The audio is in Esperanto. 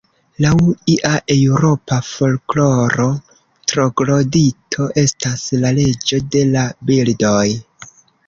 Laŭ ia eŭropa folkloro, troglodito estas la Reĝo de la Birdoj.